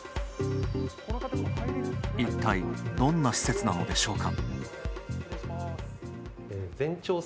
いったいどんな施設なのでしょうか。